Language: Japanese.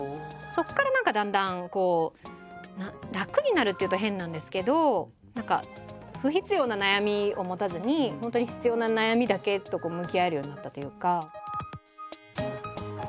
そこから何かだんだんこう楽になるっていうと変なんですけど何か不必要な悩みを持たずに本当に必要な悩みだけと向き合えるようになったというか。